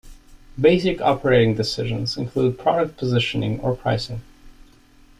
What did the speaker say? Basic operating decisions include product positioning or pricing.